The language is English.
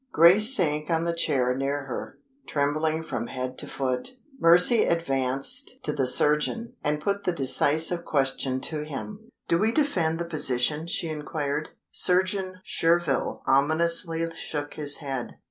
Grace sank on the chair near her, trembling from head to foot. Mercy advanced to the surgeon, and put the decisive question to him. "Do we defend the position?" she inquired. Surgeon Surville ominously shook his head.